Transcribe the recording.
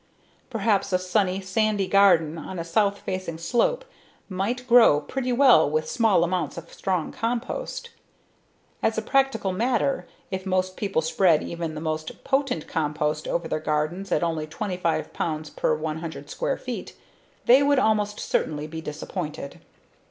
Perhaps a sunny, sandy garden on a south facing slope might grow pretty well with small amounts of strong compost. As a practical matter, if most people spread even the most potent compost over their gardens at only twenty five pounds per 100 square feet, they would almost certainly be disappointed.